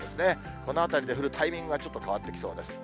この辺りで降るタイミングがちょっと変わってきそうです。